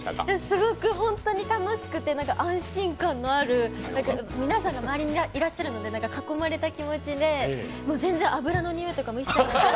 すごく本当に楽しくて、安心感がある、皆さんが周りにいらっしゃるので囲まれた気持ちで全然、油の匂いとかも一切。